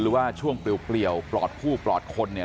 หรือว่าช่วงเปลี่ยวปลอดผู้ปลอดคนเนี่ย